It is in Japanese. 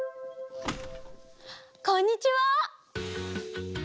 こんにちは！